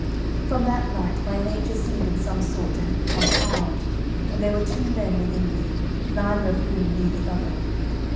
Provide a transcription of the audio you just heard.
From that night my nature seemed in some sort to have become halved, and there were two men within me, neither of whom knew the other.